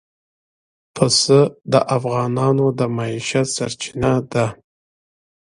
پسه د افغانانو د معیشت سرچینه ده.